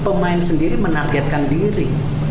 pemain sendiri menargetkan diri